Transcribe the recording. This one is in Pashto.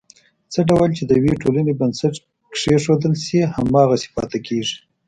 څه ډول چې د یوې ټولنې بنسټ کېښودل شي، هماغسې پاتې کېږي.